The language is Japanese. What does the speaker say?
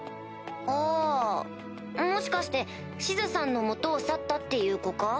あぁもしかしてシズさんの元を去ったっていう子か？